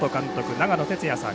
長野哲也さん。